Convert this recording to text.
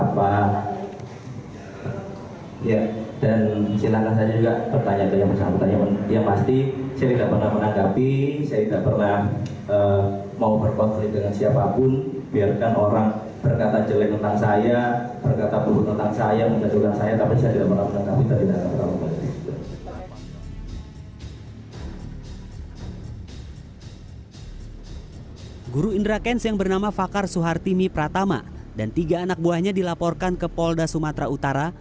pemilu indra kenz yang bernama fakar suhartimi pratama dan tiga anak buahnya dilaporkan ke polda sumatera utara